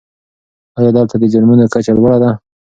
آیا دلته د جرمونو کچه لوړه ده؟